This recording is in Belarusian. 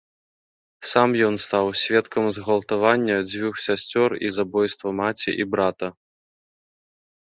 Сам ён стаў сведкам згвалтавання дзвюх сясцёр і забойства маці і брата.